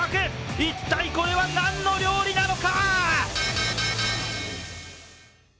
一体、これは何の料理なのか？